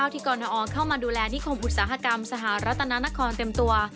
กรนอเข้ามาดูแลนิคมอุตสาหกรรมสหรัฐนานครเต็มตัว